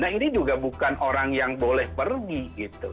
nah ini juga bukan orang yang boleh pergi gitu